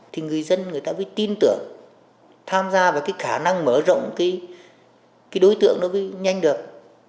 thì người dân người ta mới tin tưởng tham gia vào cái khả năng mở rộng cái đối tượng nó mới nhanh được